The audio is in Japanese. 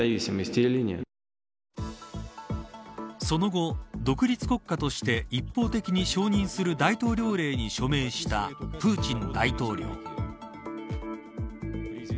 その後、独立国家として一方的に承認する大統領令に署名したプーチン大統領。